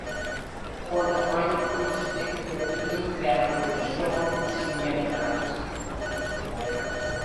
Oan de ein fan it stik wurdt dúdlik wêrom de soan syn mem hatet.